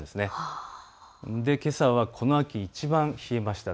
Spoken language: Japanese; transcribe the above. けさはこの秋いちばん冷えました。